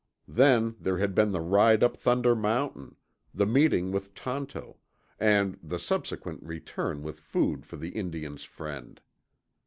Then there had been the ride up Thunder Mountain, the meeting with Tonto, and the subsequent return with food for the Indian's friend.